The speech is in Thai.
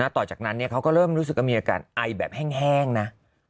ต่อจากนั้นเขาก็เริ่มรู้สึกว่ามีอาการไอแบบแห้งนะ